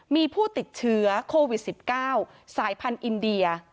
มีผู้ติดเชื้อโควิด๑๙สายพันธุ์อินเดีย